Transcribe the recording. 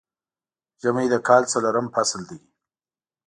ژمی د کال څلورم فصل دی